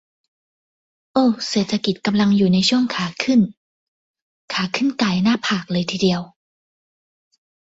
"โอ้เศรษฐกิจกำลังอยู่ในช่วงขาขึ้น" "ขาขึ้นก่ายหน้าฝากเลยทีเดียว"